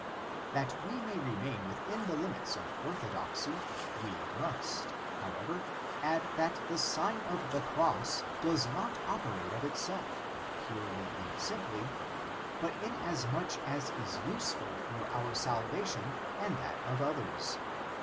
"* That we may remain within the limits of orthodoxy, we must, however, add that the Sign of the Cross does not operate of itself, purely and simply, but in as much as is useful for our salvation and that of others.